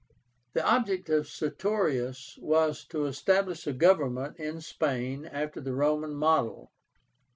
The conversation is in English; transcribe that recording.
The object of Sertorius was to establish a government in Spain after the Roman model.